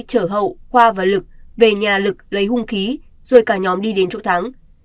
huy trở hậu khoa và lực về nhà lực lấy hung khí rồi cả nhóm đi đến chỗ thắng